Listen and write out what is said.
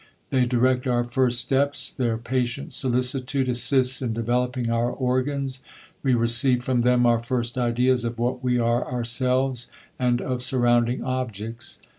They direct our first steps ; their patient / solicitude assists in developing our organs ; we receive » from them our first ideas of what we are ourselves, and I of surrounding objects.